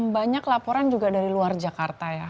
banyak laporan juga dari luar jakarta ya